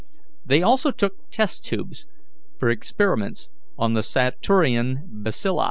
They also took test tubes for experiments on the Saturnian bacilli.